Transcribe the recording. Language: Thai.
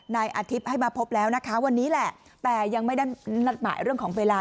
นายอาทิตย์ให้มาพบแล้วนะคะวันนี้แหละแต่ยังไม่ได้นัดหมายเรื่องของเวลา